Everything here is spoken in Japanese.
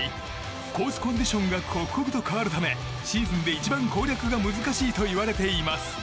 コースコンディションが刻々と変わるためシーズンで一番攻略が難しいといわれています。